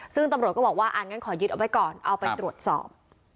ซึ่งตำรวจก็บอกว่าอันนั้นขอยึดเอาไว้ก่อนเอาไปตรวจสอบ